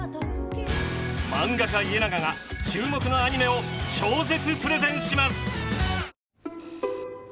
漫画家イエナガが注目のアニメを超絶プレゼンします！